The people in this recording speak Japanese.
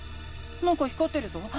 なんか光ってるぞ。